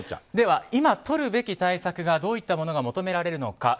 今とるべき対策がどのようなものが求められるのか。